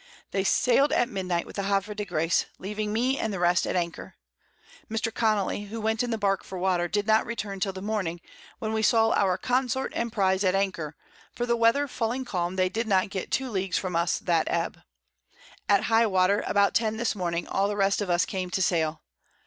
They sailed at Midnight with the Havre de Grace, leaving me and the rest at Anchor. Mr. Connely, who went in the Bark for Water, did not return till the Morning, when we saw our Consort and Prize at Anchor; for the Weather falling calm, they did not get 2 Leagues from us that Ebb. At high Water, about 10 this Morning, all the rest of us came to sail.